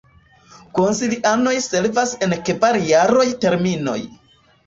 Konsilianoj servas en kvar-jaraj terminoj.